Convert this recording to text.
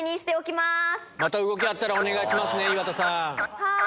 また動きあったらお願いしますね岩田さん。